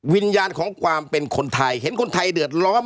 วิญญาณของความเป็นคนไทยเห็นคนไทยเดือดร้อน